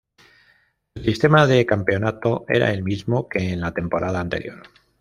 El sistema de campeonato era el mismo que en la temporada anterior.